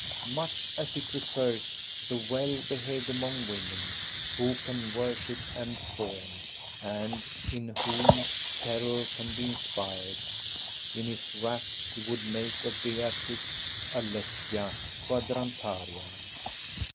Much as he prefers the well behaved among women, who can worship and fawn, and in whom terror can be inspired, in his wrath he would make of Beatrice a Lesbia Quadrantaria.